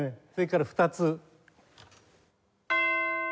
それから２つ。